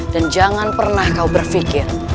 dan jangan pernah kau berfikir